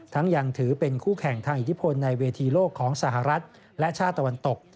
ยังถือเป็นคู่แข่งทางอิทธิพลในเวทีโลกของสหรัฐและชาติตะวันตก